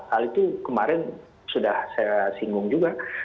hal itu kemarin sudah saya singgung juga